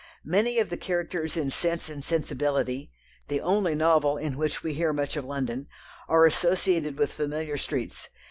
Many of the characters in Sense and Sensibility the only novel in which we hear much of London are associated with familiar streets.